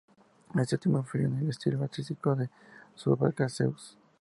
Este último influyó en el estilo artístico de Subercaseaux.